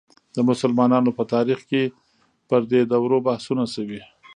د مسلمانانو په تاریخ کې پر دې دورو بحثونه شوي.